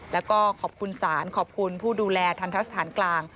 แล้วก็ขอบคุณศาลขอบคุณผู้ดูแลทันทะสถานกลาง